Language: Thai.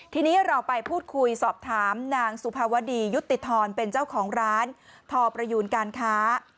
ทีนี้เราไปพูดคุยสอบถามนางสุภาวดียุติธรรมเป็นเจ้าของร้านทอประยูนการค้า